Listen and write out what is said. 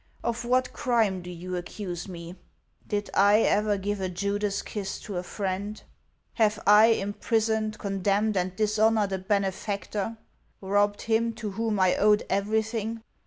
Of what crime do you accuse me ? Did I ever give a Judas kiss to a friend ? Have I imprisoned, condemned, and dishonored a benefactor, — robbed him to whom I owed everything?